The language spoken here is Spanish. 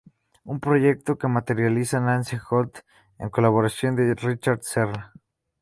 Un proyecto que materializaría Nancy Holt en colaboración con Richard Serra.